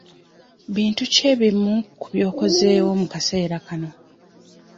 Bintu ki ebimu ku by'okozeewo mu kaseera kano?